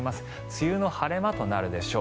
梅雨の晴れ間となるでしょう。